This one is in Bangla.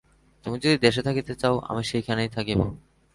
তুমি যদি দেশে থাকিতে চাও, আমি সেইখানেই থাকিব।